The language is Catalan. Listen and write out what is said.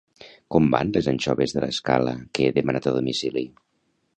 Com van les anxoves de l'escala que he demanat a domicili?